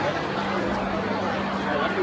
การรับความรักมันเป็นอย่างไร